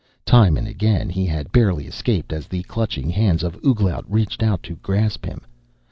Time and time again he had barely escaped as the clutching hands of Ouglat reached out to grasp him.